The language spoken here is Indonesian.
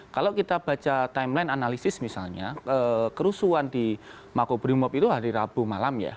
kalau kita baca timeline analisis misalnya kerusuhan di makobrimob itu hari rabu malam ya